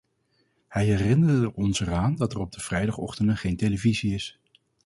Hij herinnerde ons eraan dat er op de vrijdagochtenden geen televisie is.